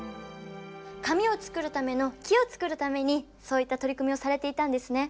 紙を作るための木を作るためにそういった取り組みをされていたんですね。